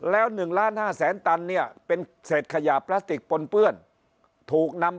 แล้ว๑ล้าน๕แสนตันเนี่ยเป็นเศษขยะพลาสติกปนเปื้อนถูกนำ